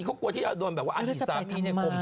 เขากลัวที่จะโดนแบบว่าอดีตสามีเนี่ยคม